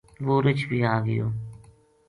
وہ رچھ بی آ گیو